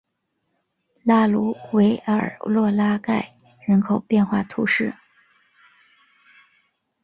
拉卢维埃洛拉盖人口变化图示